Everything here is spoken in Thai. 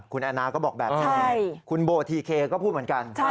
คุณแอนนาก็บอกแบบนี้คุณโบทีเคก็พูดเหมือนกัน